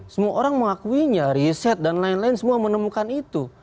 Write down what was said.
semua orang mengakuinya riset dan lain lain semua menemukan itu